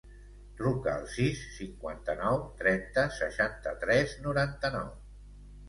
Truca al sis, cinquanta-nou, trenta, seixanta-tres, noranta-nou.